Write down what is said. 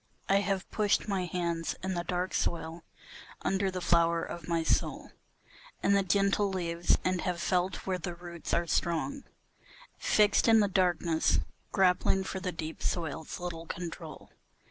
I have pushed my hands in the dark soil, under the flower of my soul And the gentle leaves, and have felt where the roots are strong Fixed in the darkness, grappling for the deep soil's little control.